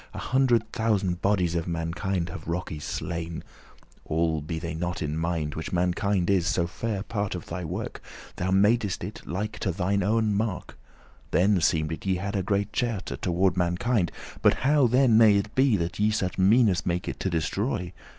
A hundred thousand bodies of mankind Have rockes slain, *all be they not in mind;* *though they are Which mankind is so fair part of thy work, forgotten* Thou madest it like to thine owen mark.* *image Then seemed it ye had a great cherte* *love, affection Toward mankind; but how then may it be That ye such meanes make it to destroy?